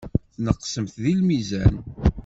Tneqsemt deg lmizan.